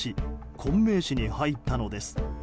昆明市に入ったのです。